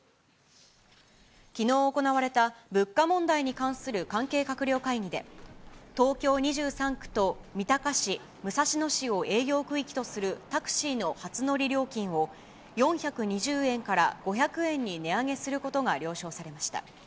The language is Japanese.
きのう行われた物価問題に関する関係閣僚会議で、東京２３区と三鷹市、武蔵野市を営業区域とするタクシーの初乗り料金を、４２０円から５００円に値上げすることが了承されました。